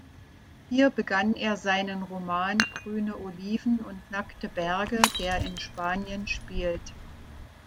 Hier begann er seinen Roman "Grüne Oliven und nackte Berge", der in Spanien spielt.